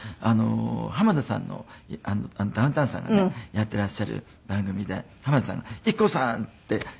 浜田さんのダウンタウンさんがねやっていらっしゃる番組で浜田さんが「ＩＫＫＯさん！」って指してくれたんですよ。